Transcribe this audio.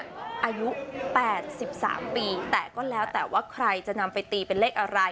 อายุ๘๓ปีแต่ก็แล้วแต่ว่าใครจะนำไปตีเป็นเลขอะไร